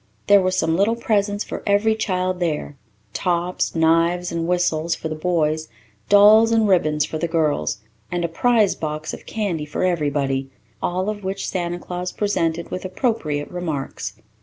There was some little present for every child there tops, knives, and whistles for the boys, dolls and ribbons for the girls, and a "prize" box of candy for everybody, all of which Santa Claus presented with appropriate remarks.